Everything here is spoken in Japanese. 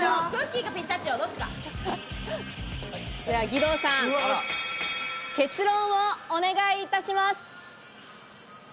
義堂さん、結論をお願いいたします。